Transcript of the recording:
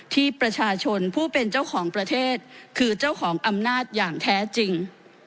ที่ประชาชนผู้เป็นเจ้าของประเทศคือเจ้าของอำนาจอย่างแท้จริง